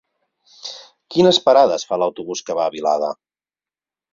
Quines parades fa l'autobús que va a Vilada?